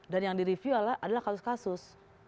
dan yang di review adalah adalah kasus kasus